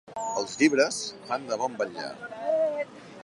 Els llibres fan de bon vetllar.